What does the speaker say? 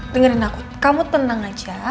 dengerin aku kamu tenang aja